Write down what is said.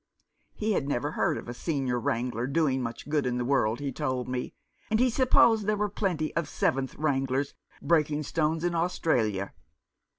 He had never heard of a Senior Wrangler doing much good in the world, he told me ; and he supposed there were plenty of seventh wranglers breaking stones in Australia.